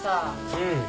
うん。